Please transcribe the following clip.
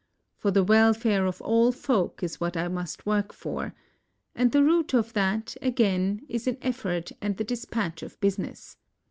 For the welfare of all folk is what I must work for — and the root of that, again, is in effort and the dispatch of business.